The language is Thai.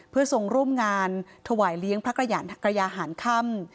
เพื่อทรงร่วมงานถวายเลี้ยงพระกระยาหารค่ำ